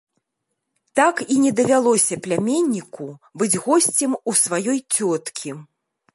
Так і не давялося пляменніку быць госцем у сваёй цёткі.